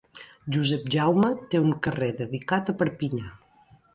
Josep Jaume té un carrer dedicat a Perpinyà.